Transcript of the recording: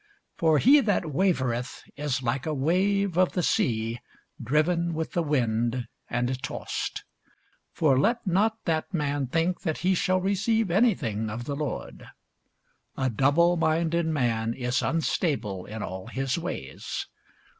For he that wavereth is like a wave of the sea driven with the wind and tossed. For let not that man think that he shall receive any thing of the Lord. A double minded man is unstable in all his ways.